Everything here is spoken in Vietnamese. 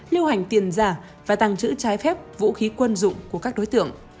lưu hành tiền giả và tăng trữ trái phép vũ khí quân dụng của các đối tượng